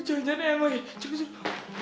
jangan jangan emosi coba coba